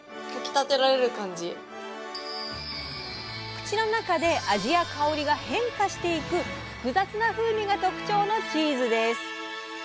口の中で味や香りが変化していく複雑な風味が特徴のチーズです。